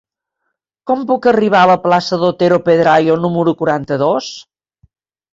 Com puc arribar a la plaça d'Otero Pedrayo número quaranta-dos?